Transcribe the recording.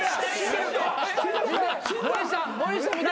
森下！